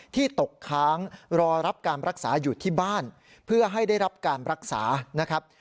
ที่ตกค้างรอรับการรักษาอยู่ที่บ้านเพื่อให้ได้รับการรักษานะครับ